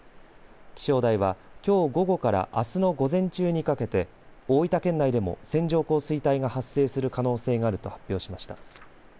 気象台は、きょう午後からあすの午前中にかけて大分県内でも線状降水帯が発生する可能性があると発表しました。